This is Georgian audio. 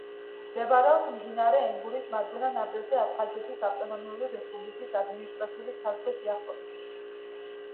მდებარეობს მდინარე ენგურის მარჯვენა ნაპირზე, აფხაზეთის ავტონომიური რესპუბლიკის ადმინისტრაციული საზღვრის სიახლოვეს.